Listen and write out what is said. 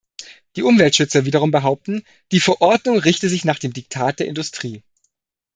Die Umweltschützer wiederum behaupten, die Verordnung richte sich nach dem Diktat der Industrie.